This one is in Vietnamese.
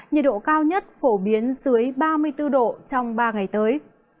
nhiệt độ cao nhất phổ biến dưới ba mươi bốn độ trong ba ngày tới